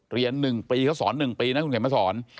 เรียน๑ปีก็สอน๑ปีนะคุณเขียนมาสอน